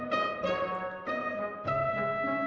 neng bunga bayarnya tujuh ribu biasanya lima ribu